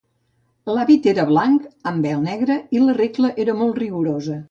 L'hàbit era blanc, amb vel negre, i la regla era molt rigorosa.